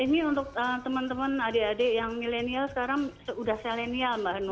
ini untuk teman teman adik adik yang milenial sekarang sudah selenial mbak hanum